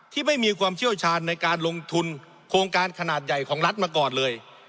ที่ไม่มีความเชี่ยวชาญในการลงทุนโครงการขนาดใหญ่ของรัฐมาก่อนเลย